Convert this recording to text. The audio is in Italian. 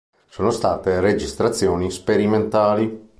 Sono state registrazioni sperimentali.